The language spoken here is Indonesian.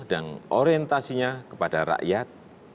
dan orientasinya kepada rakyat